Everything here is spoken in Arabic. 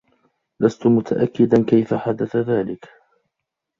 لست متأكدا كيف حدث ذلك.